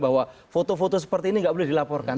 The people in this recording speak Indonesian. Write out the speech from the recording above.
bahwa foto foto seperti ini nggak boleh dilaporkan